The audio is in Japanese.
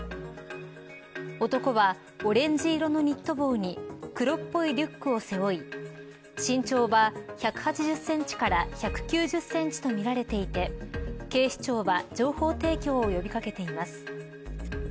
男はオレンジ色のニット帽に黒っぽいリュックを背負い身長は１８０センチから１９０センチとみられていて警視庁は情報提供を呼び掛けています。